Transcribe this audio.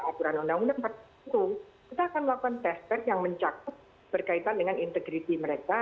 aturan undang undang empat puluh kita akan melakukan test test yang mencakup berkaitan dengan integriti mereka